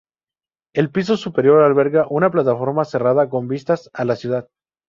El piso superior alberga una plataforma cerrada con vistas a la ciudad.